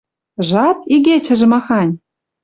Жат, игечӹжӹ махань!..